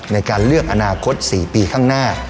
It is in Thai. ในการเลือกอนาคต๔ปีข้างหน้า